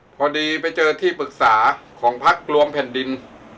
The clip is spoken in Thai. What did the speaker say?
พอดีไปเจอที่ปรึกษาของพักรวมแผ่นดิน